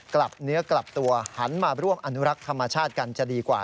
กลับเนื้อกลับตัวหันมาร่วมอนุรักษ์ธรรมชาติกันจะดีกว่า